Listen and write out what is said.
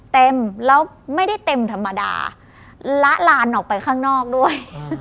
เต็มแล้วไม่ได้เต็มธรรมดาละลานออกไปข้างนอกด้วย